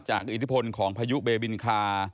อิทธิพลของพายุเบบินคา